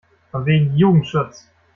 Von wegen Jugendschutz!